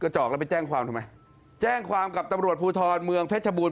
แจ้งความกับตำรวจภูทรเมืองเพชรชบูรณ์